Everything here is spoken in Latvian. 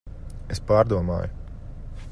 Es pārdomāju.